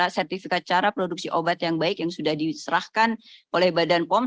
sertifikat cara produksi obat yang baik yang sudah diserahkan oleh badan pom